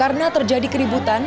setelah terjadi keributan